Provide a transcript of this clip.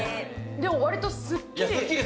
でもわりとすっきり。